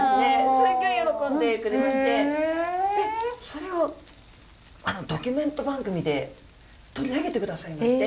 すぎょい喜んでくれましてそれをドキュメント番組で取り上げて下さいまして。